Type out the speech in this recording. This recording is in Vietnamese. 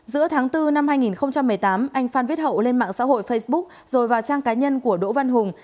giữa tháng bốn năm hai nghìn một mươi tám anh phan viết hậu lên mạng xã hội facebook rồi vào trang cá nhân của đỗ văn hùng